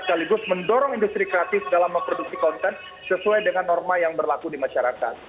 sekaligus mendorong industri kreatif dalam memproduksi konten sesuai dengan norma yang berlaku di masyarakat